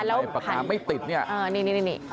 โยนปากกาไปปากกาไม่ติดนี่